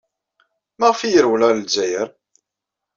Maɣef ay yerwel ɣer Lezzayer?